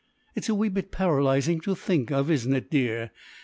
It's a wee bit paralysing to think of, isn't it, dear?